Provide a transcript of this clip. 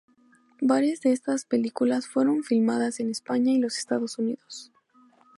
Varias de estas películas fueron filmadas en España y los Estados Unidos.